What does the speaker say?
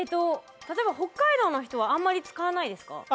例えば北海道の人はあんまり使わないですか？